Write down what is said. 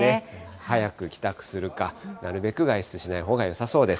早く帰宅するか、なるべく外出しないほうがよさそうです。